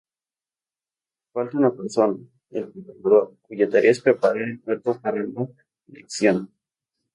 Falta una persona: el preparador, cuya tarea es preparar el cuerpo para la lección.